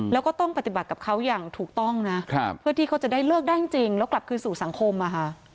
แล้วก็ต้องปฏิบัติกับเขาอย่างถูกต้องนะเพื่อที่เขาจะได้เลิกได้จริงแล้วกลับคืนสู่สังคมอะค่ะ